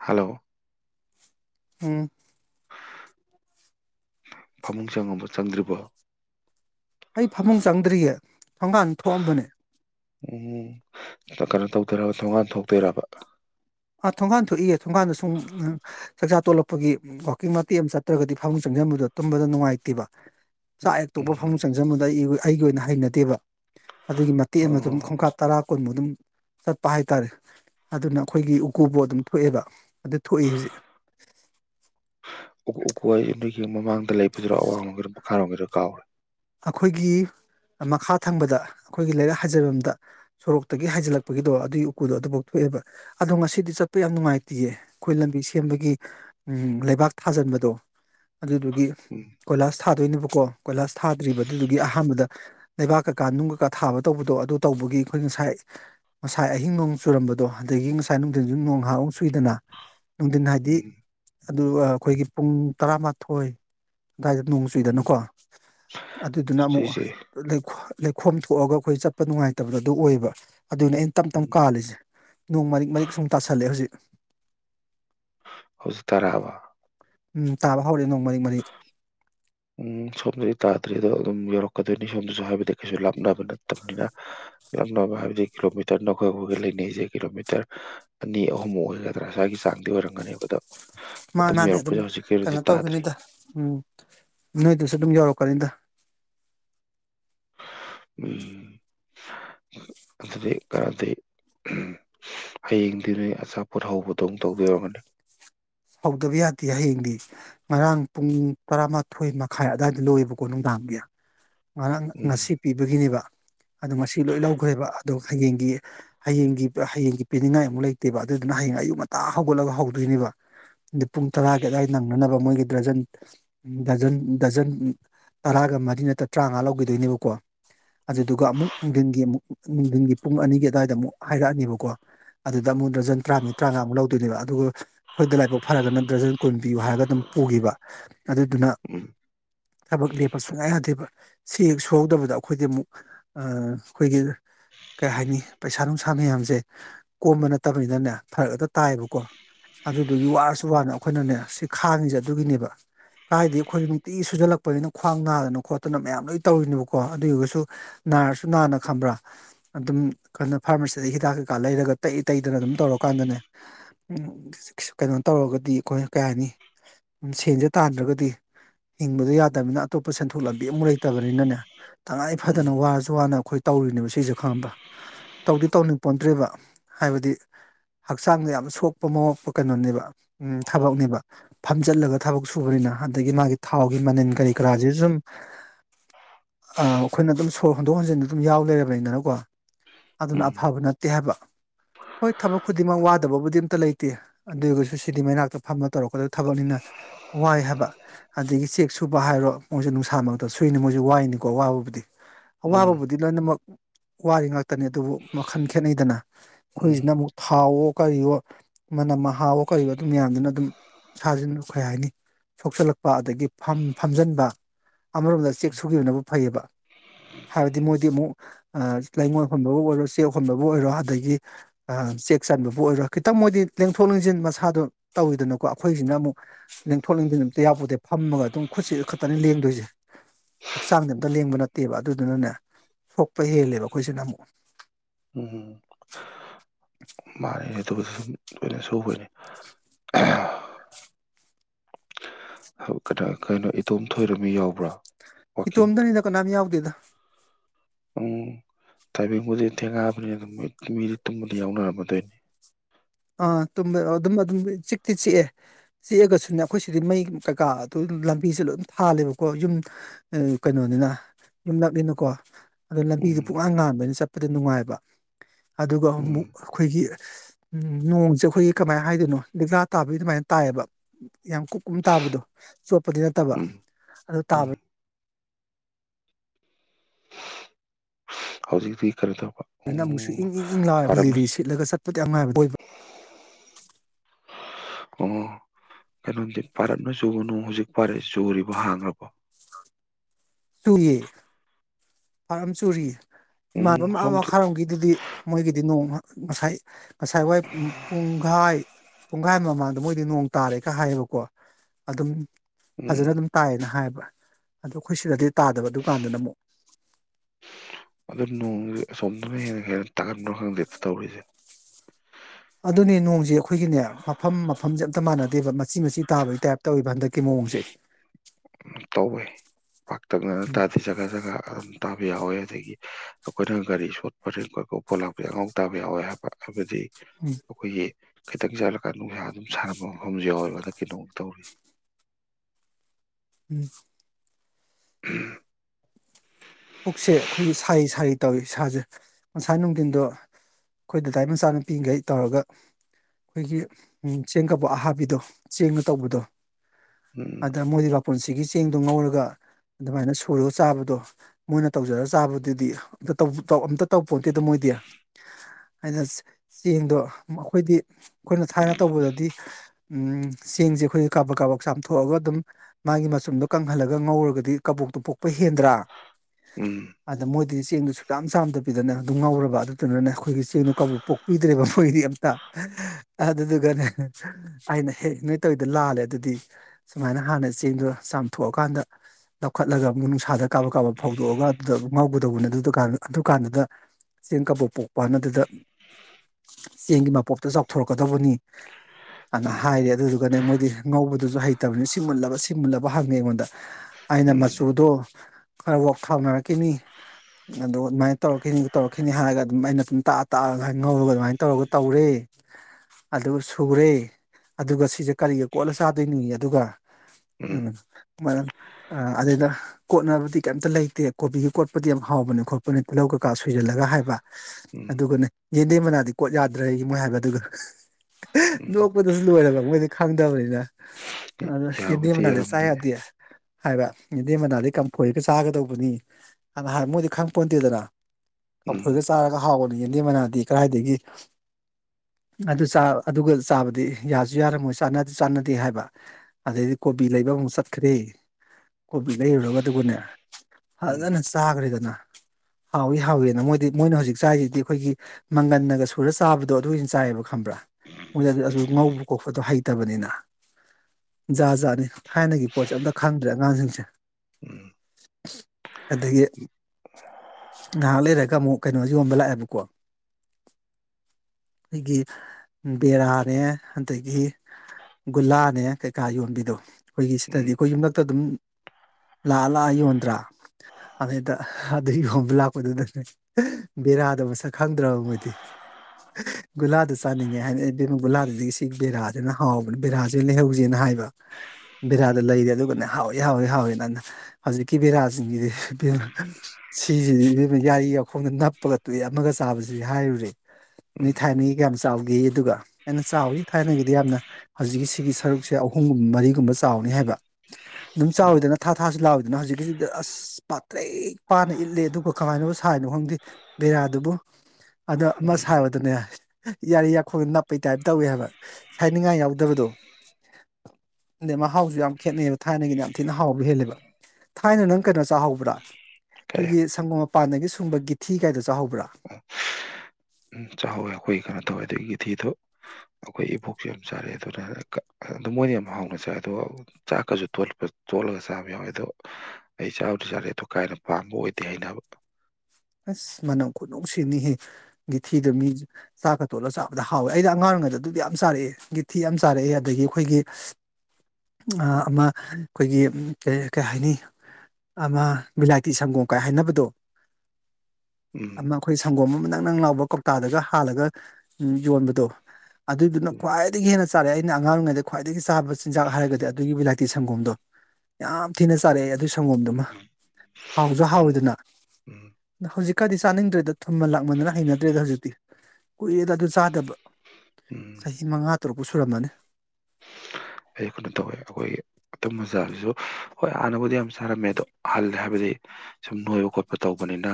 hello ꯎꯝ ꯐꯃꯨꯡ ꯆꯪꯉꯕ ꯆꯪꯗ꯭ꯔꯤꯕꯣ ꯑꯩ ꯐꯃꯨꯡ ꯆꯪꯗ꯭ꯔꯤꯌꯦ ꯊꯣꯡꯒꯥꯟ ꯊꯣꯛꯑꯝꯕꯅꯦ ꯎꯝ ꯀꯩꯅꯣ ꯇꯧꯗꯣꯏꯔꯣ ꯊꯣꯡꯉꯥꯟ ꯊꯣꯛꯇꯣꯏꯔꯕ ꯑꯥ ꯊꯣꯡꯒꯥꯟ ꯊꯣꯛꯏꯑ ꯊꯣꯡꯒꯥꯟꯗ ꯁꯨꯝ ꯎꯝ ꯆꯥꯛꯆꯥ ꯇꯣꯂꯛꯄꯒꯤ ꯋꯥꯛꯀꯤꯡ ꯃꯇꯦꯛ ꯑꯃ ꯆꯠꯇ꯭ꯔꯒꯗꯤ ꯐꯃꯨꯡ ꯆꯪꯁꯤꯟꯕꯗꯣ ꯇꯨꯝꯕꯗꯣ ꯅꯨꯡꯉꯥꯏꯇꯦꯕ ꯆꯥꯛ ꯍꯦꯛꯇꯣꯛꯄ ꯐꯃꯨꯡ ꯎꯝ ꯆꯪꯁꯤꯟꯕꯗꯣ ꯑꯩ ꯑꯩꯒꯤ ꯑꯣꯏꯅ ꯍꯩꯅꯗꯦꯕ ꯑꯗꯨꯒꯤ ꯃꯇꯦꯛ ꯑꯃ ꯑꯗꯨꯝ ꯑꯣ ꯈꯣꯡ ꯀꯥꯞ ꯇꯔꯥ ꯀꯨꯟꯃꯨꯛ ꯑꯗꯨꯝ ꯆꯠꯄ ꯍꯥꯏꯇꯥꯔꯦ ꯑꯗꯨꯅ ꯑꯩꯈꯣꯏꯒꯤ ꯎꯀ ꯎꯀꯨꯕꯣ ꯑꯗꯨꯝ ꯊꯣꯛꯑꯦꯕ ꯑꯗꯨ ꯊꯣꯛꯏ ꯍꯧꯖꯤꯛ [inaudible] ꯎ ꯎꯀꯨꯏ ꯅꯣꯏꯒꯤ ꯃꯃꯥꯡꯗ ꯂꯩꯕꯗꯨꯔꯥ ꯑꯋꯥꯡꯔꯣꯝꯒꯤꯔꯥ ꯃꯈꯥꯔꯣꯝꯒꯤꯔꯥ ꯀꯥꯎꯔꯦ ꯑꯩꯈꯣꯏꯒꯤ ꯃꯈꯥ ꯊꯪꯕꯗ ꯑꯩꯈꯣꯏꯒꯤ ꯂꯩꯔꯛ ꯍꯥꯏꯖꯟꯕꯝꯗ ꯁꯣꯔꯣꯛꯇꯒꯤ ꯍꯥꯏꯖꯤꯜꯂꯛꯄꯒꯤꯗꯣ ꯑꯗꯨꯒꯤ ꯎꯀꯨꯗꯣ ꯑꯗꯨꯐꯥꯎ ꯊꯣꯛꯑꯦꯕ ꯑꯗꯣ ꯉꯁꯤꯗꯤ ꯆꯠꯄ ꯌꯥꯝ ꯅꯨꯡꯉꯥꯏꯇꯤꯌꯦ ꯑꯩꯈꯣꯏ ꯂꯝꯕꯤ ꯁꯦꯝꯕꯒꯤ ꯎꯟ ꯂꯩꯕꯥꯛ ꯊꯥꯖꯤꯟꯕꯗꯣ ꯑꯗꯨꯗꯨꯒꯤ ꯎꯝ ꯀꯣꯏꯂꯥꯁ ꯊꯥꯗꯣꯏꯅꯦꯕꯀꯣ ꯀꯣꯏꯂꯥꯁ ꯊꯥ ꯗ꯭ꯔꯤꯕ ꯑꯗꯨꯗꯨꯒꯤ ꯑꯍꯥꯟꯕꯗ ꯂꯩꯕꯥꯛꯀꯀꯥ ꯅꯨꯡ ꯀꯀꯥ ꯊꯥꯕ ꯇꯧꯕꯗꯣ ꯑꯗꯨ ꯇꯧꯕꯒꯤ ꯑꯩꯈꯣꯏ ꯉꯁꯥꯏ ꯉꯁꯥꯏ ꯑꯍꯤꯡ ꯅꯣꯡ ꯆꯨꯔꯝꯕꯗꯣ ꯑꯗꯒꯤ ꯉꯁꯥꯏ ꯅꯨꯡꯊꯤꯟꯁꯨ ꯅꯣꯡ ꯉꯥꯏꯍꯛ ꯆꯨꯏꯗꯅ ꯅꯨꯡꯊꯤꯟ ꯍꯥꯏꯗꯤ ꯎꯝ ꯑꯗꯨꯒ ꯑꯩꯈꯣꯏꯒꯤ ꯄꯨꯡ ꯇꯔꯥꯃꯥꯊꯣꯏ ꯑꯗꯨꯗꯥꯏꯗ ꯅꯣꯡ ꯎꯝ ꯆꯨꯏꯗꯅꯀꯣ ꯑꯗꯨꯗꯨꯅ ꯑꯃꯨꯛ ꯁꯤꯁꯦ ꯂꯩꯈꯣ ꯂꯩꯈꯣꯝ ꯊꯣꯛꯑꯒ ꯑꯩꯈꯣꯏ ꯆꯠꯄ ꯅꯨꯡꯉꯥꯏꯇꯕꯗꯣ ꯑꯗꯨ ꯑꯣꯏꯕ ꯑꯗꯨꯅ ꯑꯩꯅ ꯇꯞ ꯇꯞ ꯎꯝ ꯀꯥꯜꯂꯤꯁꯦ ꯅꯣꯡ ꯃꯔꯤꯛ ꯃꯔꯤꯛ ꯁꯨꯝ ꯇꯥꯁꯜꯂꯦ ꯍꯧꯖꯤꯛ ꯍꯧꯖꯤꯛ ꯇꯔꯛ ꯑꯕꯥ ꯎꯝ ꯇꯥꯕ ꯍꯧꯔꯦ ꯅꯣꯡ ꯃꯔꯤꯛ ꯃꯔꯤꯛ ꯎꯝ ꯁꯣꯝꯗꯗꯤ ꯇꯥꯗ꯭ꯔꯤ ꯑꯗꯣ ꯑꯗꯨꯝ ꯌꯧꯔꯛꯀꯗꯣꯏꯅꯤ ꯁꯣꯝꯗꯁꯨ ꯍꯥꯏꯕꯗꯤ ꯀꯩꯁꯨ ꯂꯥꯞꯅꯕ ꯅꯠꯇꯕꯅꯤꯅ ꯌꯥꯝ ꯍꯥꯏꯕꯗꯤ ꯀꯤꯂꯣꯃꯤꯇꯔ ꯅꯈꯣꯏꯕꯨꯒ ꯂꯩꯅꯩꯁꯦ ꯀꯤꯂꯣꯃꯤꯇꯔ ꯑꯅꯤ ꯑꯍꯨꯝ ꯑꯣꯏꯒ ꯈꯔꯁꯥꯒꯤ ꯆꯥꯡꯗꯤ ꯑꯣꯏꯔꯝꯒꯅꯤꯕ ꯑꯗꯣ ꯃꯥ ꯑꯗꯨꯝ ꯃꯥꯅꯦ ꯌꯧꯔꯛꯄ ꯍꯧꯖꯤꯛꯀꯤꯔꯗꯤ ꯀꯩꯅꯣ ꯇꯥꯗ꯭ꯔꯤ ꯎꯝ ꯅꯣꯏꯗꯁꯨ ꯑꯗꯨꯝ ꯌꯧꯔꯛꯀꯅꯤꯗ ꯑꯗꯨ ꯀꯔꯗ ꯍꯌꯦꯡꯗꯤ ꯅꯣꯏ ꯑꯆꯥꯄꯣꯠ ꯍꯧꯕꯗꯧ ꯇꯧꯗꯣꯏ ꯑꯣꯏꯔꯝꯒꯅꯤ ꯍꯧꯗꯕ ꯌꯥꯗꯦ ꯍꯌꯦꯡꯗꯤ ꯉꯔꯥꯡ ꯄꯨꯡ ꯇꯔꯥꯃꯥꯊꯣꯏ ꯃꯈꯥꯏ ꯑꯋꯥꯏꯗ ꯂꯣꯏꯌꯦꯕꯀꯣ ꯅꯨꯡꯗꯥꯡꯒꯤ ꯉꯔꯥꯟ ꯎꯝ ꯉꯁꯤ ꯄꯤꯕꯒꯤꯅꯦꯕ ꯑꯗꯣ ꯉꯁꯤ ꯂꯣꯏ ꯂꯧꯈ꯭ꯔꯦꯕ ꯑꯗꯣ ꯍꯌꯦꯡꯒꯤ ꯍꯌꯦꯡꯒꯤ ꯍꯌꯦꯡꯒꯤ ꯄꯤꯅꯤꯡꯉꯥꯏ ꯑꯃꯨꯛ ꯂꯩꯇꯦꯕ ꯑꯗꯨꯗꯨꯅ ꯍꯌꯦꯡ ꯑꯌꯨꯛ ꯉꯟꯇꯥ ꯍꯧꯒꯠꯂꯒ ꯍꯧꯗꯣꯏꯅꯦꯕ ꯑ ꯄꯨꯡ ꯇꯔꯥꯒꯤ ꯑꯋꯥꯏ ꯅꯪꯅꯅꯕ ꯃꯣꯏꯒꯤ ꯗ꯭ꯔꯖꯟ ꯗꯖꯟ ꯗꯖꯟ ꯇꯔꯥꯒ ꯃꯔꯤ ꯅꯠꯇ꯭ꯔ ꯇꯔꯥꯉꯥ ꯂꯧꯈꯤꯗꯣꯏꯅꯦꯕꯀꯣ ꯑꯗꯨꯗꯨꯒ ꯑꯃꯨꯛ ꯅꯨꯡꯊꯤꯟꯒꯤ ꯑꯃꯨꯛ ꯅꯨꯡꯊꯤꯟꯒꯤ ꯄꯨꯡ ꯑꯅꯤꯒꯤ ꯑꯗꯨꯋꯥꯏꯗ ꯑꯃꯨꯛ ꯍꯥꯏꯔꯛꯑꯅꯦꯕꯀꯣ ꯑꯗꯨꯗ ꯑꯃꯨꯛ ꯗꯖꯟꯔꯥꯅꯤ ꯇꯔꯥꯉꯃꯨꯛ ꯂꯧꯗꯣꯏꯕ ꯑꯗꯨꯒ ꯑꯩꯈꯣꯏꯗ ꯂꯥꯏꯕꯛ ꯐꯔꯒꯅ ꯗ꯭ꯔꯖꯟ ꯀꯨꯟ ꯄꯤꯌꯨ ꯍꯥꯏꯔꯒ ꯑꯗꯨꯝ ꯄꯨꯈꯤꯕ ꯑꯗꯨꯗꯨꯅ ꯎꯝ ꯊꯕꯛ ꯂꯦꯞꯄ ꯁꯨꯡꯉꯥꯏ ꯌꯥꯗꯦꯕ ꯁꯤ ꯍꯦꯛ ꯁꯨꯍꯧꯗꯕꯗ ꯑꯩꯈꯣꯏꯗꯤ ꯑꯃꯨꯛ ꯑꯩꯈꯣꯏꯒꯤ ꯀꯩ ꯍꯥꯏꯅꯤ ꯄꯩꯁꯥ ꯅꯨꯡꯁꯥ ꯊꯥꯡꯃꯤꯌꯥꯝꯁꯦ ꯀꯣꯝꯕ ꯅꯠꯇꯕꯅꯤꯅꯅꯦ ꯐꯔꯛ ꯍꯦꯛꯇ ꯇꯥꯏꯕꯀꯣ ꯑꯗꯨꯗꯨꯒꯤ ꯋꯥꯔꯁꯨ ꯋꯥꯅ ꯑꯩꯈꯣꯏꯅꯅꯦ ꯁꯤ ꯈꯥꯡꯉꯤꯁꯦ ꯑꯗꯨꯒꯤꯅꯦꯕ ꯀꯥꯏꯗ ꯑꯩꯈꯣꯏꯁꯨ ꯅꯨꯡꯇꯤ ꯁꯨꯖꯜꯂꯛꯄꯅꯤꯅ ꯈ꯭ꯋꯥꯡ ꯅꯥꯗꯅ ꯈꯣꯠꯇꯅ ꯃꯌꯥꯝ ꯂꯣꯏ ꯇꯧꯔꯤꯅꯦꯕꯀꯣ ꯑꯗꯨꯗꯨꯒꯁꯨ ꯅꯥꯔꯁꯨ ꯅꯥꯟꯅ ꯈꯪꯕ꯭ꯔꯥ ꯑꯗꯨꯝ ꯀꯩꯅꯣ ꯐꯥꯔꯃꯥꯁꯤꯗ ꯍꯤꯗꯥꯛ ꯀꯩꯀꯥ ꯂꯩꯔꯒ ꯇꯩ ꯇꯩꯗꯅ ꯑꯗꯨꯝ ꯇꯧꯔꯀꯥꯟꯗꯅꯦ ꯀꯩꯅꯣ ꯇꯧꯔꯒꯗꯤ ꯑꯩꯈꯣꯏꯅ ꯀꯌꯥꯅꯤ ꯁꯦꯟꯁꯦ ꯇꯥꯟꯗ꯭ꯔꯒꯗꯤ ꯍꯤꯡꯕꯗ ꯌꯥꯗꯕꯅꯤꯅ ꯑꯇꯣꯞꯄ ꯁꯦꯟꯊꯣꯛ ꯂꯝꯕꯤ ꯑꯃꯨꯛ ꯂꯩꯇꯕꯅꯤꯅꯅꯦ ꯇꯉꯥꯏ ꯎꯝ ꯐꯗꯅ ꯋꯥꯁꯨ ꯋꯥꯅ ꯑꯩꯈꯣꯏ ꯇꯧꯔꯤꯅꯦꯕ ꯁꯤꯁꯦ ꯈꯪꯕ ꯇꯧꯗꯤ ꯇꯧꯅꯤꯡ ꯄꯣꯟꯗ꯭ꯔꯦꯕ ꯍꯥꯏꯕꯗꯤ ꯍꯛꯆꯥꯡꯗ ꯌꯥꯝ ꯁꯣꯛ ꯄ ꯃꯣꯛꯄ ꯀꯩꯅꯣꯅꯦꯕ ꯎꯝ ꯊꯕꯛꯅꯦꯕ ꯐꯝꯆꯠꯂꯒ ꯊꯕꯛ ꯁꯨꯕꯅꯤꯅ ꯑꯗꯒꯤ ꯃꯥꯒꯤ ꯊꯥꯎꯒꯤ ꯃꯅꯤꯜ ꯀꯔꯤ ꯀꯔꯥꯁꯤ ꯁꯨꯝ ꯑꯩꯈꯣꯏꯅ ꯑꯗꯨꯝ ꯁꯣꯔ ꯍꯣꯟꯗꯣꯛ ꯍꯣꯟꯖꯤꯟ ꯑꯗꯨꯝ ꯌꯥꯎ ꯂꯩꯔꯕꯅꯤꯅꯀꯣ ꯑꯗꯨꯅ ꯑꯐꯕ ꯅꯠꯇꯦ ꯍꯥꯏꯕ ꯍꯣꯏ ꯊꯕꯛ ꯈꯨꯗꯤꯡꯃꯛ ꯋꯥꯗꯕꯕꯨꯗꯤ ꯑꯝꯇ ꯂꯩ ꯇꯦ ꯑꯗꯨꯒꯁꯨ ꯁꯤꯗꯤ ꯃꯅꯥꯛꯇ ꯐꯝꯃ ꯇꯧꯔꯛꯄꯗ ꯊꯕꯛꯅꯤꯅ ꯋꯥꯏ ꯍꯥꯏꯕ ꯑꯗꯒꯤ ꯆꯦꯛ ꯁꯨꯕ ꯍꯥꯏꯔꯣ ꯃꯣꯏꯁꯦ ꯅꯨꯡꯁꯥꯃꯔꯛꯇ ꯁꯨꯏꯅꯤ ꯃꯣꯏꯁꯨ ꯋꯥꯏꯅꯤꯀꯣ ꯋꯥꯕꯕꯨꯗꯤ ꯎꯝ ꯑꯋꯥꯕꯕꯨꯗꯤ ꯂꯣꯏꯅꯃꯛ ꯋꯥꯔꯤ ꯉꯥꯛꯇꯅꯤ ꯑꯗꯨꯕꯨ ꯃꯈꯜ ꯈꯦꯠꯅꯩꯗꯅ ꯎꯝ ꯑꯩꯈꯣꯏꯁꯤꯅ ꯑꯃꯨꯛ ꯍꯥꯎꯋꯣ ꯀꯔꯤꯋꯣ ꯃꯅꯝ ꯃꯍꯥꯎꯋꯣ ꯀꯔꯤꯋꯤ ꯑꯗꯨꯝ ꯃꯌꯥꯝꯗꯨꯅ ꯑꯗꯨꯝ ꯏꯁꯖꯦ ꯀꯔꯤ ꯍꯥꯏꯅꯤ ꯁꯣꯛꯆꯜꯂꯛꯄ ꯑꯗꯒꯤ ꯐꯝ ꯐꯝꯖꯤꯟꯕ ꯑꯃꯔꯣꯝꯗ ꯆꯦꯛ ꯁꯨꯈꯤꯕꯅꯕ ꯐꯩꯌꯦꯕ ꯍꯥꯏꯕꯗꯤ ꯃꯣꯏꯗꯤ ꯑꯃꯨꯛ ꯂꯩꯉꯣꯟ ꯍꯣꯟꯕꯕꯨ ꯑꯣꯏꯔꯣ ꯆꯦꯛ ꯍꯣꯟꯕꯕꯨ ꯑꯣꯏꯔꯣ ꯑꯗꯒꯤ ꯆꯦꯛ ꯆꯟꯕꯕꯨ ꯑꯣꯏꯔꯣ ꯈꯤꯇꯪ ꯃꯣꯏꯗꯤ ꯂꯦꯡꯊꯣꯛ ꯂꯦꯡꯁꯤꯟ ꯃꯁꯥꯗꯣ ꯇꯧꯋꯤꯗꯅꯀꯣ ꯑꯩꯈꯣꯏꯁꯤꯅ ꯑꯃꯨꯛ ꯂꯦꯡꯊꯣꯛꯅꯤꯡꯊ ꯑꯝꯇ ꯌꯥꯎꯄꯗꯦ ꯐꯝꯃꯒ ꯑꯗꯨꯝ ꯈꯨꯠꯁꯤ ꯈꯛꯇꯅ ꯂꯦꯡꯗꯣꯏꯁꯦ ꯍꯛꯆꯥꯡꯁꯦ ꯑꯝꯇ ꯂꯦꯡꯕ ꯅꯠꯇꯦꯕ ꯑꯗꯨꯗꯨꯅꯅꯦ ꯁꯣꯛꯄ ꯍꯦꯜꯂꯦꯕ ꯑꯩꯈꯣꯏꯁꯤꯅ ꯑꯃꯨꯛ ꯎꯝ ꯃꯥꯜꯂꯤꯅꯦ ꯑꯗꯨꯕꯨꯁꯨ ꯁꯨꯝ ꯂꯣꯏꯅ ꯁꯨꯕꯅꯤ ꯀꯅꯥ ꯀꯩꯅꯣ ꯏꯇꯣꯝ ꯊꯣꯏꯔꯝꯃꯤ ꯌꯥꯎꯕ꯭ꯔꯥ ꯋꯥꯛꯀꯤꯡ ꯏꯇꯣꯝꯗꯅꯤꯗ ꯀꯅꯥꯝ ꯌꯥꯎꯗꯦꯗ ꯎꯝ ꯇꯥꯏꯕꯪꯕꯨꯗꯤ ꯊꯦꯡꯉꯕꯅꯤ ꯑꯗꯨꯝ ꯃꯤꯗꯤ ꯇꯨꯝꯕꯗꯤ ꯌꯥꯎꯅꯔꯝꯃꯗꯣꯏꯅꯤ ꯑꯥ ꯑꯗꯨꯝ ꯑꯗꯨꯝ ꯆꯤꯛꯇꯤ ꯆꯤꯛꯑꯦ ꯆꯤꯛꯑꯒꯁꯨꯅꯦ ꯑꯩꯈꯣꯏ ꯁꯤꯗꯤ ꯃꯩ ꯀꯩꯀꯥ ꯑꯗꯨ ꯂꯝꯕꯤꯁꯦ ꯂꯣꯏ ꯊꯥꯜꯂꯦꯕꯀꯣ ꯌꯨꯝ ꯀꯩꯅꯣꯅꯤꯅ ꯌꯨꯝꯅꯥꯛꯅꯤꯅꯀꯣ ꯑꯗꯣ ꯂꯝꯕꯤꯗꯨ ꯎꯝ ꯄꯨꯛꯂꯥꯡ ꯉꯥꯟꯕꯅ ꯆꯠꯄꯗ ꯅꯨꯡꯉꯥꯏꯕ ꯑꯗꯨꯒ ꯑꯃ ꯎꯝ ꯑꯃꯨꯛ ꯑꯩꯈꯣꯏꯒꯤ ꯎ ꯅꯣꯡꯁꯦ ꯑꯩꯈꯣꯏꯒꯤ ꯀꯃꯥꯏꯅ ꯍꯥꯏꯗꯣꯏꯅꯣ ꯂꯛꯁꯥ ꯇꯥꯕꯒꯤ ꯑꯗꯨꯃꯥꯏꯅ ꯇꯥꯏꯌꯦꯕ ꯌꯥꯝ ꯀ ꯀꯨꯝ ꯇꯥꯕꯗꯣ ꯆꯣꯠꯄꯗꯤ ꯅꯠꯇꯕ ꯎꯝ ꯑꯗꯨ ꯎꯝ ꯇꯥꯕ ꯍꯧꯖꯤꯛꯇꯤ ꯀꯔꯤ ꯇꯧꯕ [unintelligible] ꯑꯃꯨꯛꯁꯨ ꯎꯝ ꯏꯪ ꯏꯪ ꯏꯪ ꯂꯧꯔ ꯄꯥꯔꯞꯅ ꯂꯤꯂꯤ ꯁꯤꯠꯂꯒ ꯆꯠꯄꯗ ꯌꯥꯝ ꯅꯨꯡꯉꯥꯏꯕꯗ‌ꯣ ꯑꯣꯏꯕ [unintelligible] ꯆꯨꯏꯌ‌ꯦ ꯄꯔꯞꯅ‌ ꯆꯨꯔꯤꯌ‌ꯦ ꯎꯝ ꯏꯃꯥꯟꯅꯕ ꯑꯃ ꯑꯥ ꯁꯣꯝꯗꯤ ꯃꯈꯥꯔ‌ꯣꯝꯒꯤꯗꯨꯗꯤ ꯃꯣꯏꯒꯤꯗꯤ ꯅꯣꯡ ꯉꯁꯥꯏ ꯉꯁꯥꯏ ꯋꯥꯏ ꯄꯨꯡꯈꯥꯏ ꯄꯨꯡꯒꯥꯏ ꯃꯃꯥꯡꯗ ꯃꯣꯏꯗꯤ ꯅꯣꯡ ꯇꯥꯔꯦꯒ ꯍꯥꯏꯌꯦꯕꯀꯣ ꯑꯗꯨꯝ ꯎꯝ ꯐꯖꯅ ꯑꯗꯨꯝ ꯇꯥꯏꯌꯦꯅ ꯍꯥꯏꯕ ꯑꯗꯣ ꯑꯩꯈꯣꯏ ꯁꯤꯗꯗꯤ ꯇꯥꯗꯕ ꯗꯨꯀꯥꯟꯗꯅ ꯑꯃꯨꯛ ꯑꯗꯨ ꯅꯣꯡꯁ‌ꯦ ꯁꯣꯝꯗꯅ ꯍꯦꯟꯅꯥ ꯍꯦꯟꯅꯥ ꯇꯥꯒꯟꯕꯔꯥ ꯈꯪꯗꯦꯗ ꯇꯧꯔꯤꯁꯦ ꯑꯗꯨꯅꯦ ꯅꯣꯡꯁꯦ ꯑꯩꯈꯣꯏꯒꯤꯅꯦ ꯃꯐꯝ ꯃꯐꯝꯁꯦ ꯑꯝꯇ ꯃꯥꯟꯅ ꯗ‌ꯦꯕ ꯃꯆꯤ ꯃꯆꯤ ꯇꯥꯕꯒꯤ ꯇꯥꯏꯞ ꯇꯧꯌ‌ꯦꯕ ꯍꯟꯗꯛꯀꯤ ꯃꯑꯣꯡꯁꯦ ꯇꯧꯋꯦ ꯄꯥꯛꯇꯛꯅꯅ ꯎꯝ ꯇꯥꯗ‌ꯦ ꯖꯒꯥ ꯖꯒꯥ ꯑꯗꯨꯝ ꯇꯥꯕ ꯌꯥꯎꯌꯦ ꯑꯗꯒꯤ ꯑꯩꯈꯣꯏꯅ ꯒꯥꯔꯤ [unintelligible] ꯎꯝ ꯑꯩꯈꯣꯏꯒꯤ ꯈꯤꯇꯪ ꯆꯠꯂꯒ ꯅꯨꯡꯁꯥ ꯑꯗꯨꯝ ꯁꯥꯔꯝꯕ ꯃꯐꯝꯁꯨ ꯌꯥꯎꯋꯦꯕ ꯍꯟꯗꯛꯀꯤ ꯅꯣꯡ ꯇꯧ ꯎꯝ [unintelligible] ꯄꯨꯛꯁꯦ ꯑꯩꯈꯣꯏꯒꯤ ꯁꯥꯔꯤ ꯁꯥꯔꯤ ꯇꯧꯏ ꯏꯁꯥꯁꯦ ꯉꯁꯥꯏ ꯅꯨꯡꯊꯤꯟꯗꯣ ꯑꯩꯈꯣꯏ ꯗꯥꯗꯥꯒꯤ ꯃꯆꯥꯅꯨꯄꯤꯈꯩ ꯇꯧꯔꯒ ꯑꯩꯈꯣꯏꯒꯤ ꯎꯝ ꯆꯦꯡ ꯀꯥꯕꯣꯛ ꯑꯍꯥꯕꯤꯗꯣ ꯆꯦꯡꯅ ꯇꯧꯕꯗꯣ ꯎꯝ ꯑꯗ ꯃꯣꯏ ꯃꯄꯨꯟꯁꯤꯒꯤ ꯆꯦꯡꯗꯣ ꯉꯧꯔꯒ ꯑꯗꯨꯃꯥꯏꯅ ꯁꯨꯔꯒ ꯆꯥꯕꯗꯣ ꯃꯣꯏꯅ ꯇꯧꯖꯔꯒ ꯆꯥꯕꯗꯨꯗꯤ ꯑꯝꯇ ꯇꯧ ꯇꯧ ꯑꯝꯇ ꯇꯧ ꯄꯣꯠꯇ‌ꯦꯗ‌ꯣ ꯃꯣꯏꯗꯤ ꯑꯩꯅ ꯆꯦꯡꯗꯣ ꯑꯩꯈꯣꯏꯗꯤ ꯑꯩꯈꯣꯏꯅ ꯊꯥꯏꯅ ꯇꯧꯕꯗꯗꯤ ꯎꯝ ꯆꯦꯡꯁꯦ ꯑꯩꯈꯣꯏꯅ ꯀꯥꯕꯛ ꯀꯥꯕꯛ ꯆꯥꯝꯊꯣꯛꯑꯒ ꯑꯗꯨꯝ ꯃꯥꯒꯤ ꯃꯆꯨꯝꯗꯣ ꯀꯪꯍꯜꯂꯒ ꯉꯧꯔꯒꯗꯤ ꯀꯕꯣꯛꯇꯣ ꯄꯣꯛꯄ ꯍꯦꯟꯗ꯭ꯔꯥ ꯎꯝ ꯑꯗ ꯃꯣꯏꯗꯤ ꯆꯦꯡꯗꯨ ꯁꯨꯛꯆꯥꯝ ꯆꯥꯝꯗꯕꯤꯗꯅ‌ꯦ ꯑꯗꯨꯝ ꯉꯧꯔꯕ ꯑꯗꯨꯗꯨꯅꯅꯦ ꯑꯩꯈꯣꯏꯒꯤ ꯆꯦꯡꯗꯣ ꯀꯕ‌ꯣꯛ ꯄꯣꯛ ꯈꯪꯗ꯭ꯔꯦꯕ ꯃꯣꯏꯗꯤ ꯑꯝꯇ ꯑꯗꯨꯗꯨꯒꯅꯦ ꯑꯩꯅ ꯍꯦ ꯅꯣꯏ ꯇꯧꯋꯤꯗ‌ꯣ ꯂꯥꯜꯂꯦ ꯑꯗꯨꯗꯤ ꯁꯨꯃꯥꯏꯅ ꯍꯥꯟꯅ ꯆꯦꯡꯗꯣ ꯆꯥꯝꯊꯣꯛꯑꯀꯥꯟꯗ ꯂꯧꯈꯠꯂꯒ ꯑꯃꯨꯛ ꯅꯨꯡꯁꯥꯗ ꯀꯥꯕꯛ ꯀꯥꯕꯛ ꯗꯣꯛꯑꯒ ꯑꯗꯨꯗ ꯑꯃꯨꯛ ꯉꯥꯎꯒꯗꯧꯕꯅꯦ ꯑꯗꯨꯗꯨ ꯀꯥꯟꯗ ꯑꯗꯨ ꯀꯥꯟꯗꯨꯗ ꯆꯦꯡ ꯀꯕꯣꯛ ꯄꯣꯛꯄꯅ ꯑꯗꯨꯗ ꯆꯦꯡꯒꯤ ꯃꯄꯣꯞꯇ‌ꯣ ꯆꯥꯎꯊꯣꯔꯛꯀꯗꯧꯕꯅꯤ ꯑꯗꯨꯃꯥꯏ ꯎꯝ ꯍꯥꯏꯔꯦ ꯑꯗꯨꯗꯨꯒꯅꯦ ꯃꯣꯏꯗꯤ ꯉꯧꯕꯗꯨꯁꯨ ꯍꯩꯇꯕꯅꯤꯅ ꯁꯤ ꯃꯨꯜꯂꯕ ꯁꯤ ꯃꯨꯜꯂꯕ ꯍꯪꯉꯦ ꯑꯩꯉꯣꯟꯗ ꯑꯩꯅ ꯎꯝ ꯃꯆꯨꯗꯣ ꯈꯔ ꯋꯥꯎꯊꯥꯡꯅꯔꯛꯈꯤꯅꯤ ꯑꯗꯨ ꯑꯗꯨꯃꯥꯏꯅ ꯇꯧꯔꯛꯈꯤꯅꯤ ꯇꯧꯔꯛꯈꯤꯅꯤ ꯍꯥꯏꯔꯒ ꯑꯗꯨꯝ ꯑꯩꯅ ꯑꯗꯨꯝ ꯇꯥꯛꯑ ꯇꯥꯛꯑꯒ ꯍꯥꯏꯗꯤ ꯉꯧꯔꯒ ꯑꯗꯨꯃꯥꯏꯅ ꯇꯧꯔꯒ ꯇꯧꯔꯦ ꯑꯗꯨꯒ ꯁꯨꯔꯦ ꯑꯗꯨꯒ ꯁꯤꯁꯦ ꯀꯔꯤꯒ ꯀꯣꯠꯂ ꯆꯥꯗꯣꯏꯅ‌ꯣꯌ‌ꯦ ꯑꯗꯨꯒ ꯎꯝ [unintelligible] ꯑꯗꯨꯗ ꯀꯣꯠꯅꯕꯗꯤ ꯀꯩꯝꯇ ꯂꯩꯇꯦ ꯀꯣꯕꯤꯒ ꯀꯣꯠꯄꯗꯤ ꯌꯥꯝ ꯍꯥꯎꯕꯅꯦ ꯈꯣꯠꯄꯅꯦ ꯇꯤꯜꯍꯧ ꯀꯩꯀꯥ ꯁꯣꯏꯖꯜꯂꯒ ꯍꯥꯏꯕ ꯎꯝ ꯑꯗꯨꯒꯅꯦ ꯌꯦꯟꯗꯦꯝ ꯃꯅꯥꯗꯤ ꯀꯣꯠ ꯌꯥꯗ꯭ꯔꯌ‌ꯦ ꯃꯣꯏ ꯍꯥꯏꯕ ꯑꯗꯨꯒ ꯎꯝ ꯅꯣꯛꯄꯗꯁꯨ ꯂꯣꯏꯔꯕ ꯃꯣꯏꯗꯤ ꯈꯪꯗꯕꯅꯤꯅ ꯑꯗꯨ ꯌꯦꯟꯗ‌ꯦꯝ ꯌꯥꯕꯨꯗꯤ ꯃꯅꯥꯗꯤ ꯆꯥ ꯌꯥꯔꯝꯅꯦ ꯌꯥꯗꯦ ꯍꯥꯏꯕ ꯌꯦꯟꯗ‌ꯦꯝ ꯃꯅꯥꯗꯤ ꯀꯝꯐꯣꯏ ꯆꯥꯒꯗꯧꯕꯅꯤ ꯍꯥꯏꯅ ꯍꯥꯏ ꯃꯣꯏꯗꯤ ꯈꯪꯄꯣꯠꯗꯦꯗꯅ ꯀꯝꯐꯣꯏꯒ ꯎꯝ ꯆꯥ ꯒ ꯍꯥꯎꯕꯅꯤ ꯌꯦꯟꯗ‌ꯦꯝ ꯃꯅꯥꯗꯤ ꯀꯔꯥꯏꯗꯒꯤ ꯑꯗꯨ ꯆꯥ ꯑꯗꯨꯒ ꯆꯥꯕꯗꯤ ꯌꯥꯁꯨ ꯌꯥꯔꯝꯃꯣꯏ ꯆꯥꯟꯅꯁꯨ ꯆꯥꯟꯅꯗꯦ ꯍꯥꯏꯕ ꯑꯗꯩꯗꯤ ꯀꯣꯕꯤ ꯂꯩꯕ ꯑꯃꯨꯛ ꯆꯠꯈ꯭ꯔꯦ ꯀꯣꯕꯤ ꯂꯩꯔꯨꯔꯒ ꯑꯗꯨꯒꯅꯦ ꯎꯝ ꯐꯖꯅ ꯆꯥꯈꯔꯦꯗꯅ ꯍꯥꯎꯋꯤ ꯍꯥꯎꯋꯤꯅ ꯃꯣꯏꯗꯤ ꯃꯣꯏꯅ ꯍꯧꯖꯤꯛ ꯆꯥꯏꯁꯤꯗꯤ ꯑꯩꯈꯣꯏꯒꯤ ꯃꯪꯒꯟꯅꯒ ꯁꯨꯔ ꯆꯥꯕꯗꯣ ꯑꯗꯨ ꯑꯣꯏꯅ ꯆꯥꯏꯌꯦꯕ ꯈꯪꯕ꯭ꯔꯥ ꯃꯣꯏꯗꯤ ꯑꯗꯨ ꯉꯧꯕ ꯈꯣꯠꯄꯗꯣ ꯍꯩꯇꯕꯅꯤꯅ ꯖꯥꯠ ꯖꯥꯠꯅꯤ ꯊꯥꯏꯅꯒꯤ ꯄꯣꯠꯁꯦ ꯑꯝꯇ ꯈꯪꯗ꯭ꯔꯦ ꯑꯉꯥꯡꯁꯤꯡꯁꯦ ꯎꯝ ꯑꯗꯒꯤ ꯉꯍꯥꯛ ꯂꯩꯔꯒ ꯑꯃꯨꯛ ꯀꯩꯅꯣꯁꯤ ꯌꯣꯟꯕ ꯂꯥꯛꯑꯦꯕꯀꯣ ꯑꯩꯈꯣꯏꯒꯤ ꯕꯦꯔꯥꯅꯦ ꯑꯗꯒꯤ ꯒꯨꯜꯂꯥꯅꯦ ꯀꯩꯀꯥ ꯌꯣꯟꯕꯤꯗꯣ ꯑꯩꯈꯣꯏꯒꯤ ꯁꯤꯗꯗꯤ ꯎꯝ ꯑꯩꯈꯣꯏ ꯌꯨꯝꯂꯛꯇ ꯑꯗꯨꯝ ꯂꯥꯛꯑ ꯂꯥꯛꯑ ꯌꯣꯟꯗ꯭ꯔꯥ ꯑꯗꯩꯗ ꯑꯗꯨꯒꯤ ꯃꯑꯣꯡꯗ ꯂꯥꯛꯄꯗꯨꯗꯅꯦ ꯕꯦꯔꯥꯗ ꯃꯁꯛ ꯈꯪꯗ꯭ꯔꯕ ꯃꯣꯏꯗꯤ ꯒꯨꯂꯥꯗ ꯆꯥꯅꯤꯡꯉꯦ ꯍꯥꯏꯕꯅ ꯑꯩꯕꯦꯝꯃ ꯒꯨꯂꯥꯗꯨꯗꯒꯤ ꯁꯤ ꯕꯗꯨꯅ ꯍꯥꯎꯕꯅꯦ ꯕꯦꯔꯥꯁꯦ ꯂꯩꯍꯧꯁꯦꯅ ꯍꯥꯏꯕ ꯕꯦꯔꯥꯗ ꯂꯩꯔꯦ ꯑꯗꯨꯒꯅ ꯍꯥꯎꯋꯤ ꯍꯥꯎꯋꯦ ꯍꯥꯎꯋꯦꯅ ꯑꯅ ꯀꯕꯤꯔꯥꯖꯒꯤꯗꯤ ꯕꯤꯔꯥ ꯁꯤꯁꯤꯗꯤꯅ ꯌꯥꯔꯤ ꯌꯥꯈꯣꯡꯗ ꯅꯞꯄꯒ ꯇꯣꯛꯑꯦ ꯑꯃꯒ ꯆꯥꯕꯁꯤꯗꯤ ꯍꯥꯏꯔꯨꯔꯦ ꯅꯣꯏ ꯎꯝ ꯊꯥꯏꯅꯒꯤ ꯀꯌꯥꯝ ꯆꯥꯎꯈꯤ ꯑꯗꯨꯒ ꯑꯩꯅ ꯆꯥꯎꯌꯤ ꯊꯥꯏꯅꯒꯤꯗꯤ ꯌꯥꯝꯅ ꯍꯧꯖꯤꯛꯀꯤ ꯁꯤꯒꯤ ꯁꯔꯨꯛꯁꯦ ꯑꯍꯨꯝꯒ ꯃꯔꯤꯒꯨꯝꯕ ꯆꯥꯎꯅꯤ ꯍꯥꯏꯕ ꯑꯗꯨꯝ ꯎꯝ ꯆꯥꯎꯌꯤꯗꯅ ꯊꯥ ꯊꯥꯁꯨ ꯂꯥꯛꯑꯣꯢꯗꯅ ꯍꯧꯖꯤꯛ ꯗ ꯑꯁ ꯄꯥꯠꯇ꯭ꯔꯦꯛ ꯄꯥꯅ ꯏꯠꯂꯦ ꯑꯗꯨꯒ ꯀꯃꯥꯏꯅꯣ ꯁꯥꯏꯅꯣ ꯈꯪꯗꯦ ꯇ‌ꯦꯔꯥꯗꯨꯕꯨ ꯑꯗ ꯑꯃ ꯎꯝ ꯁꯥꯕꯗꯅꯦ ꯌꯥꯔꯤ ꯌꯥꯈꯣꯡꯗ ꯅꯞꯄꯩ ꯇꯥꯏꯞ ꯇꯧꯏꯦ ꯍꯥꯏꯕ ꯍꯥꯏꯅꯤꯡꯉꯥꯏ ꯌꯥꯎꯗꯕꯗꯣ ꯃꯍꯥꯎꯁꯨ ꯌꯥꯝ ꯈꯦꯠꯅꯩꯕ ꯊꯥꯏꯅꯒꯤꯅ ꯌꯥꯝ ꯊꯤꯅ ꯍꯥꯎꯕ ꯍꯦꯜꯂꯦꯕ ꯊꯥꯏꯅ ꯅꯪ ꯀꯩꯅꯣ ꯆꯥꯍꯧꯕ꯭ꯔꯥ ꯀꯩ ꯑꯩꯈꯣꯏꯒꯤ ꯁꯪꯒꯣꯝ ꯃꯄꯥꯟꯗꯒꯤ ꯁꯨꯡꯕ ꯒꯤꯊꯤ ꯀꯥꯏꯗ ꯆꯥꯍꯧꯕ꯭ꯔꯥ ꯎꯝ ꯆꯥꯍꯧꯋꯦ ꯑꯩꯈꯣꯏꯒꯤ ꯀꯩꯅꯣ ꯇꯧꯋꯦ ꯑꯗꯒꯤꯒꯤꯊꯤꯗꯣ ꯑꯩꯈꯣꯏ ꯏꯕꯣꯛꯁꯨ ꯌꯥꯝ ꯆꯥꯔꯦ ꯑꯗꯨꯅ ꯑꯗꯨ ꯃꯣꯏꯅ ꯌꯥꯝ ꯍꯥꯎꯅ ꯆꯥꯏꯦ ꯑꯗꯣ ꯆꯥꯛꯀꯁꯨꯛꯄ ꯇꯣꯠꯂꯒ ꯆꯥꯕ ꯌꯥꯎꯋꯦ ꯑꯗꯣ ꯑꯩ ꯆꯥꯕꯗꯤ ꯆꯥꯗꯦ ꯑꯗꯨ ꯀꯥꯏꯅ ꯄꯥꯝꯕ ꯑꯣꯏꯗꯦ ꯍꯥꯏꯅꯕ ꯑꯁ ꯃꯅꯝ ꯈꯨꯠꯅꯨꯡꯁꯤꯅꯤꯍꯦ ꯒꯤꯊꯤꯗ ꯃꯤ ꯆꯥꯛꯀ ꯇꯣꯠꯂꯒ ꯆꯥꯕꯗ ꯍꯥꯎꯋꯦ ꯑꯩꯗꯤ ꯑꯉꯥꯡꯔꯤꯉꯩꯗ ꯑꯗꯨꯗꯤ ꯌꯥꯝ ꯆꯥꯔꯛꯑꯦ ꯒꯤꯊꯤ ꯌꯥꯝ ꯆꯥꯔꯛꯑꯦ ꯑꯗꯒꯤ ꯑꯩꯈꯣꯏꯒꯤ ꯑꯃ ꯑꯩꯈꯣꯏꯒꯤ ꯀ ꯀꯩ ꯍꯥꯏꯅꯤ ꯑꯃ ꯃꯤꯂꯥꯏꯇꯤ ꯁꯪꯒꯣꯝ ꯀꯥꯏ ꯍꯥꯏꯅꯕꯗꯣ ꯎꯝ ꯑꯃ ꯑꯩꯈꯣꯏ ꯁꯪꯒꯣꯝ ꯑꯃ ꯅꯪ ꯅꯪ ꯂꯥꯎꯕ ꯀꯧꯇꯥꯗꯒ ꯍꯥꯜꯂꯒ ꯌꯣꯟꯕꯗꯣ ꯑꯗꯨꯏꯗꯨꯅ ꯎꯝ ꯈ꯭ꯋꯥꯏꯗꯒꯤ ꯍꯦꯟꯅ ꯆꯥꯔꯦ ꯑꯩꯅ ꯑꯉꯥꯡ ꯑꯣꯏꯔꯤꯉꯩꯗ ꯈ꯭ꯋꯥꯏꯗꯒꯤ ꯆꯥꯕ ꯆꯤꯟꯖꯥꯛ ꯍꯥꯏꯔꯒꯗꯤ ꯑꯗꯨꯒꯤꯕꯨ ꯂꯥꯏꯇꯤ ꯁꯪꯒꯣꯝꯗꯣ ꯌꯥꯝ ꯊꯤꯅ ꯆꯥꯔꯛꯑꯦ ꯑꯗꯨ ꯁꯪꯒꯣꯝꯗꯨꯃ ꯍꯥꯎꯁꯨ ꯎꯝ ꯍꯥꯎꯋꯤꯗꯅ ꯎꯝ ꯍꯧꯖꯤꯛꯀꯥꯟꯗꯤ ꯆꯥꯅꯤꯡꯗ꯭ꯔꯦꯗ ꯊꯨꯝꯃꯟ ꯂꯥꯛꯃꯟꯗꯅ ꯍꯩꯅꯗ꯭ꯔꯦꯗ ꯍꯧꯖꯤꯛꯇꯤ ꯀꯨꯏꯔꯦꯗ ꯑꯗꯨ ꯆꯥꯗꯕ ꯎꯝ ꯆꯍꯤ ꯃꯉꯥ ꯇꯔꯨꯛꯄꯨ ꯁꯨꯔꯝꯂꯅꯤ ꯑꯩ ꯀꯩꯅꯣ ꯇꯧꯋꯦ ꯑꯩꯈꯣꯏꯒꯤ ꯑꯕꯖꯥꯕꯁꯤꯁꯨ ꯍꯣꯏ ꯍꯥꯟꯅꯕꯨꯗꯤ ꯌꯥꯝ ꯆꯥꯔꯝꯃꯦ ꯑꯗꯣ ꯍꯜꯂꯦ ꯍꯥꯏꯕꯗꯤ ꯁꯨꯝ ꯅꯣꯏꯕ ꯈꯣꯠꯄ ꯇꯧꯕꯅꯤꯅ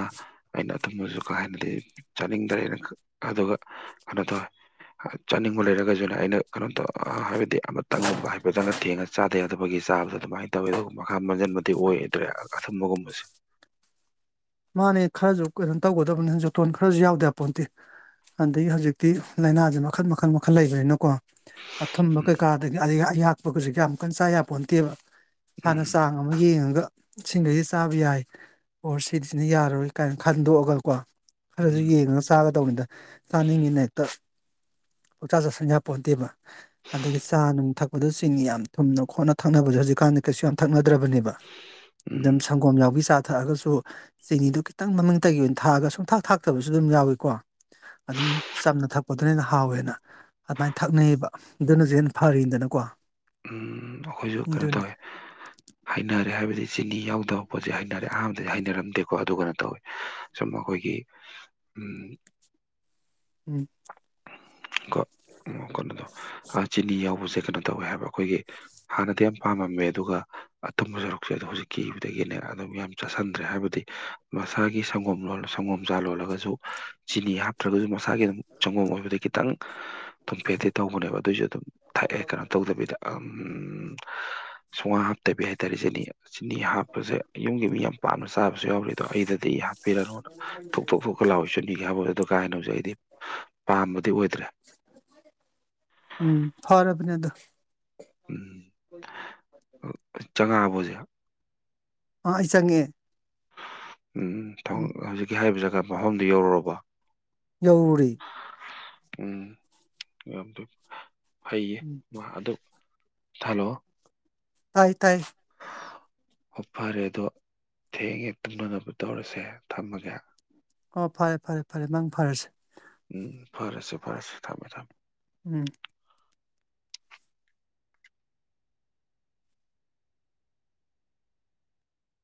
ꯑꯩꯅ ꯑꯗꯨꯨꯝꯝꯕꯁꯨ ꯀꯥ ꯍꯦꯟꯅꯗꯤ ꯆꯥꯅꯤꯡꯗ꯭ꯔꯦ ꯑꯗꯨꯒ ꯑꯗꯨꯗ‌ꯣ ꯆꯥꯅꯤꯡꯕ ꯂꯩꯔꯒꯁꯨꯅꯦ ꯑꯩꯅ ꯀꯩꯅꯣꯝ ꯇꯧ ꯍꯥꯏꯕꯗꯤ ꯑꯃꯇꯪꯒꯨꯝꯕ ꯍꯥꯏꯐꯗꯪꯅ ꯊꯦꯡꯉꯁꯤ ꯆꯥꯗ ꯌꯥꯗꯕꯒꯤ ꯆꯥꯕꯗ ꯑꯗꯨꯃꯥꯏꯅ ꯇꯧꯋꯤ ꯑꯗꯨꯒ ꯃꯈꯥ ꯃꯟꯖꯟꯕꯗꯤ ꯑꯣꯏꯗ꯭ꯔꯦ ꯑꯊꯨꯝꯕꯒꯨꯝꯕꯁꯦ ꯃꯥꯅꯦ ꯈꯔꯁꯨ ꯀꯩꯅꯣ ꯇꯧꯒꯗꯕꯅꯤ ꯖꯣꯇꯣꯟ ꯈꯔꯁꯨ ꯌꯥꯎꯗ ꯌꯄꯣꯠꯇꯦ ꯑꯗꯒꯤ ꯍꯧꯖꯤꯛꯇꯤ ꯂꯥꯏꯅꯥꯁꯦ ꯃꯈꯜ ꯃꯈꯜ ꯃꯈꯜ ꯂꯩꯕꯅꯤꯅꯀꯣ ꯑꯊꯨꯝꯕ ꯎꯝ ꯀꯩꯀꯥꯗꯒꯤ ꯑꯍꯛꯄꯒꯁꯨ ꯀ ꯌꯥꯝꯨꯛꯀꯟ ꯆꯥ ꯌꯥꯝꯄꯣꯟꯟꯇꯦꯕ ꯏꯁꯥꯅ ꯎꯝ ꯆꯥꯡ ꯑꯃ ꯌꯦꯡꯉꯒ ꯁꯤꯉꯩꯁꯤ ꯆꯥꯕ ꯌꯥꯏ ꯑꯣ ꯁꯤꯗꯤꯁꯤꯅ ꯌꯥꯔꯣꯏ ꯀꯥꯏꯅ ꯈꯟꯗꯣꯛꯑꯒ ꯀꯣ ꯎꯝ ꯈꯔꯁꯌꯦꯡꯉꯒ ꯆꯥꯒꯗꯧꯕꯅꯤꯗ ꯆꯥꯅꯤꯡꯉꯤꯅ ꯍꯦꯛꯇ ꯄꯣꯛꯆꯥ ꯆꯠ ꯁꯪꯌꯥ ꯄꯣꯟꯇꯕ ꯑꯗꯒꯤ ꯆꯥ ꯅꯨꯡ ꯊꯛꯄꯗ ꯆꯤꯅꯤ ꯌꯥꯝ ꯊꯨꯝꯅ ꯈꯣꯠꯅ ꯊꯛꯅꯕꯁꯦ ꯍꯧꯖꯤꯛꯀꯥꯟꯗꯤ ꯀꯩꯁꯨ ꯌꯥꯝ ꯊꯛꯅꯗ꯭ꯔꯕꯅꯦꯕ ꯎꯝ ꯑꯗꯨꯝ ꯁꯪꯒꯣꯝ ꯌꯥꯎꯕꯤ ꯆꯥ ꯊꯛꯑꯒꯁꯨ ꯆꯤꯅꯤꯗꯨ ꯈꯤꯇꯪ ꯃꯃꯤꯡꯇꯒꯤ ꯑꯣꯏꯅ ꯊꯥꯛꯑꯒ ꯁꯨꯡꯊꯥꯛ ꯊꯥꯛꯇꯕꯁꯨ ꯑꯗꯨꯝ ꯌꯥꯎꯏꯀꯣ ꯑꯗꯨꯝ ꯆꯝꯅ ꯊꯛꯄꯗꯨꯅ ꯍꯟꯅ ꯍꯥꯎꯋꯦꯅ ꯑꯗꯨꯃꯥꯏꯅ ꯊꯛꯅꯩꯕ ꯑꯗꯨꯅꯁꯨ ꯍꯦꯟꯅ ꯐꯔꯤꯗꯅꯀꯣ ꯎꯝ ꯑꯩꯈꯣꯏꯁꯨ ꯀꯩꯅꯣ ꯇꯧꯋꯦ ꯍꯩꯅꯔꯦ ꯍꯥꯏꯕꯗꯤ ꯆꯤꯅꯤ ꯌꯥꯎꯗꯕ ꯄꯣꯠꯁꯦ ꯍꯩꯅꯔꯦ ꯑꯍꯥꯟꯕꯗꯗꯤ ꯍꯩꯅꯔꯝꯗꯦꯀꯣ ꯑꯗꯨꯒ ꯀꯩꯅꯣ ꯇꯧꯋꯦ ꯁꯨꯝ ꯑꯩꯈꯣꯏꯒꯤ ꯎꯝ [unintelligible] [inaudible] ꯀꯣ ꯀꯩꯅꯣꯗꯣ ꯆꯤꯅꯤ ꯌꯥꯎꯕꯁꯦ ꯀꯩꯅꯣ ꯇꯧꯋꯦ ꯍꯥꯏꯕ꯭ꯔ ꯑꯩꯈꯣꯏꯒꯤ ꯍꯥꯟꯅꯗꯤ ꯌꯥꯝ ꯄꯥꯝꯃꯝꯃꯦ ꯑꯗꯨꯒ ꯑꯊꯨꯝꯕ ꯁꯔꯨꯛꯁꯦ ꯑꯗꯨ ꯍꯧꯖꯤꯛꯀꯤꯕꯗꯒꯤꯅꯦ ꯑꯗꯨꯝ ꯌꯥꯝ ꯆꯥꯁꯤꯟꯗ꯭ꯔꯦ ꯍꯥꯏꯕꯗꯤ ꯃꯁꯥꯒꯤ ꯁꯪꯒꯣꯝ ꯂ‌ꯣꯜꯂ ꯁꯪꯒꯣꯝꯆꯥꯥ ꯂꯣꯜꯂꯒꯁꯨ ꯆꯤꯅꯤ ꯍꯥꯞꯇ꯭ꯔꯒꯁꯨ ꯃꯁꯥꯒꯤ ꯑꯗꯨꯝ ꯆꯪꯒꯣꯝ ꯑꯣꯏꯕꯗꯤ ꯈꯤꯇꯪ ꯊꯨꯝꯐꯦꯠꯇꯤ ꯇꯧꯕꯅꯦꯕ ꯑꯗꯨꯑꯣꯏꯁꯨ ꯑꯗꯨꯝ ꯊꯛꯑꯦ ꯀꯩꯅꯣ ꯇꯧꯗꯕꯤꯗ ꯁꯨꯡꯍꯥꯞ ꯍꯥꯞꯇꯕꯤ ꯍꯥꯏꯇꯥꯔꯦ ꯆꯤꯅꯤ ꯆꯤꯅꯤ ꯍꯥꯞꯄꯁꯦ ꯌꯨꯝꯒꯤ ꯃꯤ ꯌꯥꯝ ꯄꯥꯝꯅ ꯆꯥꯕꯁꯨ ꯌꯥꯎꯔꯤ ꯑꯗꯣ ꯑꯩꯗꯗꯤ ꯍꯥꯞꯄꯤꯔꯅꯨꯅ ꯊꯣꯛꯊꯣꯛ ꯊꯣꯛꯀ ꯂꯥꯎꯋꯤ ꯆꯤꯅꯤꯒ ꯍꯥꯞꯄꯗ ꯑꯗꫭ ꯀꯥ ꯍꯦꯟꯅꯖꯨ ꯑꯩꯗꯤ ꯄꯥꯝꯕꯗꯤ ꯑꯣꯏꯗ꯭ꯔꯦ ꯎꯝ ꯐꯔꯦꯕꯅꯦ ꯑꯗꯨ ꯎꯝ ꯆꯥꯉꯥꯕꫭ ꯍꯖꯤꯛ ꯑꯥ ꯑꯩ ꯆꯪꯉꯑꯦ ꯎꯝ ꯊꯕꯛ ꯍꯧꯖꯤꯛꯀꯤ ꯍꯥꯏꯔꯤꯕ ꯖꯒꯥ ꯃꯐꯝꯗꯨ ꯌꯧꯔꯨꯔꯕꯣ ꯌꯧꯔꯨꯔꯦ ꯎꯝ ꯌꯥꯝꯗꯨ ꯐꯩꯌꯦ ꯎꯝ ꯃꯥ ꯑꯗꯨ ꯍꯜꯂꫭ ꯇꯥꯏ ꯇꯥꯏ ꯑꯣ ꯐꯔꯦ ꯑꯗꯣ ꯊꯦꯡꯉꯦ ꯇꯨꯝꯅꯅꯕ ꯇꯧꯔꯁꯦ ꯊꯝꯃꯒꯦ ꯑꯣ ꯐꯔꯦ ꯐꯔꯦ ꯐꯔꯦ ꯅꯪ ꯐꯔꯦꯁꯦ ꯎꯝ ꯐꯔꯁꯨ ꯐꯔꯁꯨ ꯊꯝꯃꯨ ꯊꯝꯃꯨ ꯎꯝ